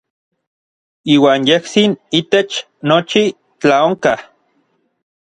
Iuan yejtsin itech nochi tlaonkaj.